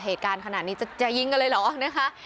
เหตุการณ์ขนาดนี้จะยิงกันเลยเหรอนะคะ